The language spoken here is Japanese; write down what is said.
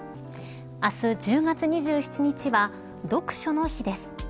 明日１０月２７日は読書の日です。